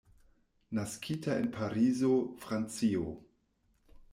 Naskita en Parizo, Francio.